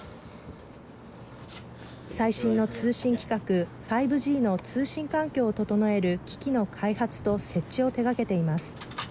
最新の通信規格５Ｇの通信環境を整える機器の開発と設置を手がけています。